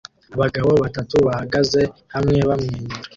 Abagabo batatu bahagaze hamwe bamwenyura